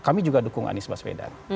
kami juga dukung anies baswedan